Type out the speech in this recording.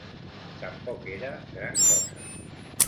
Tampoc era gran cosa.